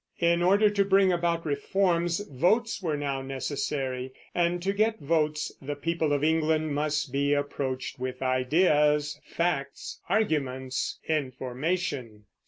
In order to bring about reforms, votes were now necessary; and to get votes the people of England must be approached with ideas, facts, arguments, information.